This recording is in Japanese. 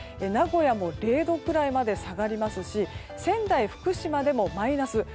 名古屋も０度くらいまで下がりますし仙台、福島でもマイナス。